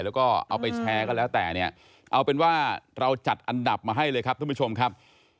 แล้วก็เอาไปแชร์ก็แล้วแต่เนี่ยเอาเป็นว่าเราจัดอันดับมาให้เลยครับท่านผู้ชมครับ